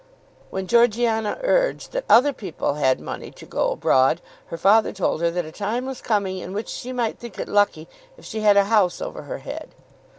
When Georgiana urged that other people had money to go abroad, her father told her that a time was coming in which she might think it lucky if she had a house over her head.